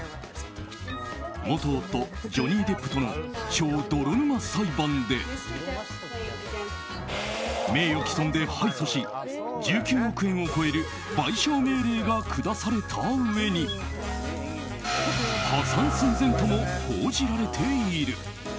元夫ジョニー・デップとの超泥沼裁判で名誉棄損で敗訴し１９億円を超える賠償命令が下されたうえに破産寸前とも報じられている。